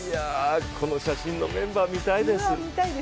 この写真のメンバー、見たいです。